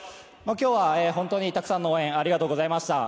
今日は本当にたくさんの応援、ありがとうございました。